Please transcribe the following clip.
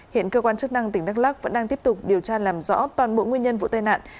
hiện cơ quan chức năng tỉnh đắk lắc vẫn đang tiếp tục điều tra làm rõ toàn bộ nguyên nhân vụ tai nạn